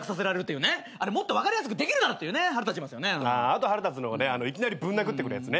あと腹立つのがいきなりぶん殴ってくるやつね。